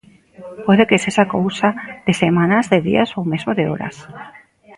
Pode que sexa cousa de semanas, de días ou mesmo de horas.